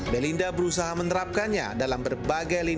belinda berusaha menerapkannya dalam berbagai liga